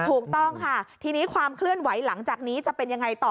ถูกต้องค่ะทีนี้ความเคลื่อนไหวหลังจากนี้จะเป็นยังไงต่อ